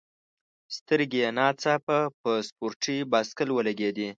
سترګي یې نا ځاپه په سپورټي بایسکل ولګېدې.